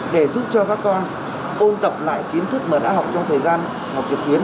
để giúp cho các con ôn tập lại kiến thức mà đã học trong thời gian học trực tuyến